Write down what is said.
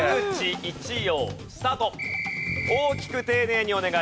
大きく丁寧にお願いします。